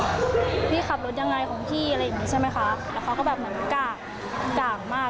ของพี่อะไรอย่างนี้ใช่ไหมคะแล้วเขาก็แบบเหมือนกล้ามาก